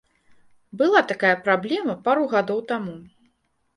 Была такая праблема пару гадоў таму.